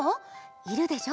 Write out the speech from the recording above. いるでしょ？